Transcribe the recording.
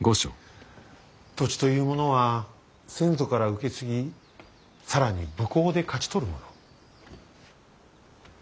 土地というものは先祖から受け継ぎ更に武功で勝ち取るもの。